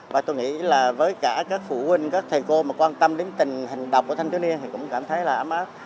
và tôi nghĩ là với cả các phụ huynh các thầy cô mà quan tâm đến tình hình đọc của thanh thiếu niên thì cũng cảm thấy là ấm áp